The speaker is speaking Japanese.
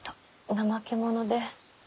怠け者で。